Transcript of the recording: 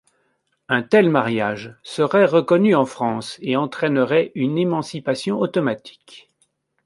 Un tel mariage serait reconnu en France et entraînerait une émancipation automatique.